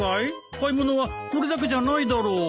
買い物はこれだけじゃないだろう？